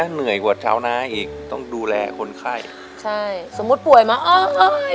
เหนื่อยกว่าชาวนาอีกต้องดูแลคนไข้ใช่สมมุติป่วยมาเอ้ย